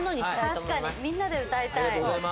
確かにみんなで歌いたい。